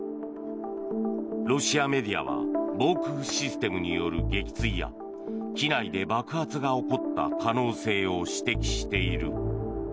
ロシアメディアは防空システムによる撃墜や機内で爆発が起こった可能性を指摘している。